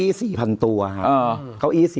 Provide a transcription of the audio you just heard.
อันนี้ก็คือข้าวสารของพี่สายชน